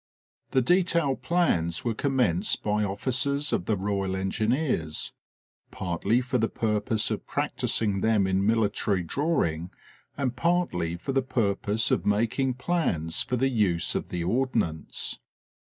The detail plans were commenced by officers of the Royal Engineers, partly for the purpose of practicing them in military drawing, and partly for the purpose of making plans for the use of the Ordnance.